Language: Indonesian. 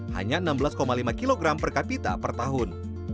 hanya enam belas lima kg per kapita per tahun